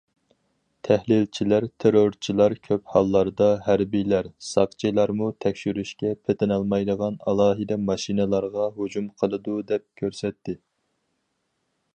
تەھلىلچىلەر تېررورچىلار كۆپ ھاللاردا ھەربىيلەر، ساقچىلارمۇ تەكشۈرۈشكە پېتىنالمايدىغان ئالاھىدە ماشىنىلارغا ھۇجۇم قىلىدۇ دەپ كۆرسەتتى.